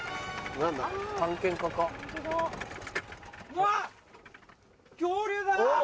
うわっ恐竜だ！